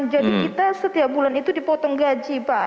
jadi kita setiap bulan itu dipotong gaji pak